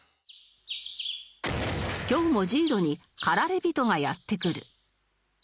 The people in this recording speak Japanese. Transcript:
今日も ＪＩＤＯ に駆られ人がやって来る